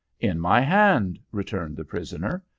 "In my hand," returned the prisoner.